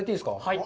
はい。